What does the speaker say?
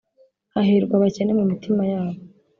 “hahirwa abakene mu mitima yabo